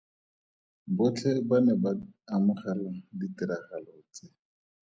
Botlhe ba ne ba amogela ditiragalo tse.